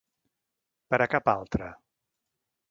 Per a cap altre.